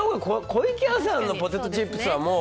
湖池屋さんのポテトチップスはもう。